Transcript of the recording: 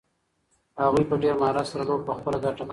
هغوی په ډېر مهارت سره لوبه په خپله ګټه کړه.